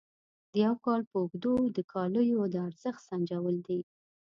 د یو کال په اوږدو د کالیو د ارزښت سنجول دي.